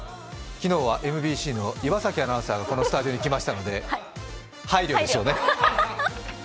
昨日はＭＢＣの岩崎アナウンサーがこのスタジオに来ましたので配慮でしょうね。